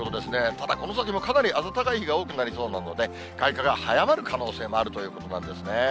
ただ、この先も暖かい日がかなり多くなりそうなので、開花が早まる可能性もあるということなんですね。